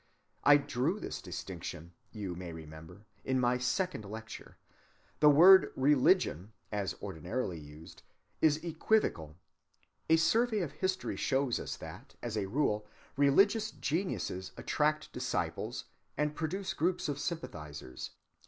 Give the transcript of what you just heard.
I drew this distinction, you may remember, in my second lecture. The word "religion," as ordinarily used, is equivocal. A survey of history shows us that, as a rule, religious geniuses attract disciples, and produce groups of sympathizers.